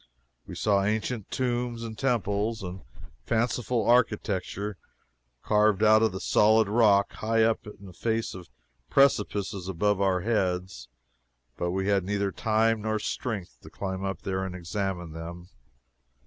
We saw ancient tombs and temples of fanciful architecture carved out of the solid rock high up in the face of precipices above our heads, but we had neither time nor strength to climb up there and examine them.